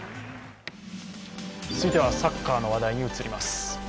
続いてはサッカーの話題に移ります。